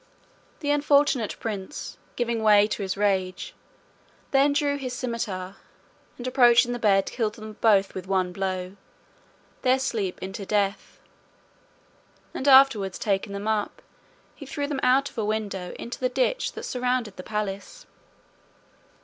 The unfortunate prince, giving way to his rage, then drew his cimeter, and approaching the bed killed them both with one blow, their sleep into death; and afterwards taking them up, he threw them out of a window into the ditch that surrounded the palace.